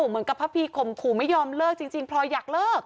เหมือนกับพระพีข่มขู่ไม่ยอมเลิกจริงพลอยอยากเลิก